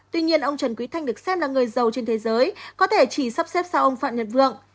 tuy nhiên ông trần quý thanh được xem là người giàu trên thế giới có thể chỉ sắp xếp xa ông phạm nhật vượng